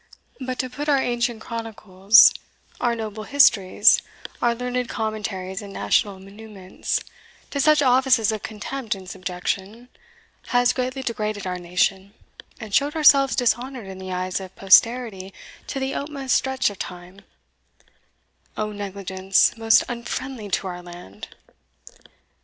But to put our ancient chronicles, our noble histories, our learned commentaries, and national muniments, to such offices of contempt and subjection, has greatly degraded our nation, and showed ourselves dishonoured in the eyes of posterity to the utmost stretch of time O negligence most unfriendly to our land!"